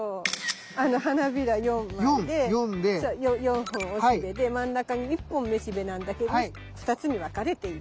花びら４枚で４本雄しべで真ん中に１本雌しべなんだけど２つに分かれている。